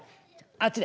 あっちで。